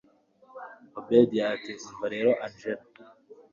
obedia ati umva rero angella